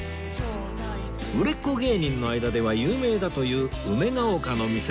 売れっ子芸人の間では有名だという梅ヶ丘の店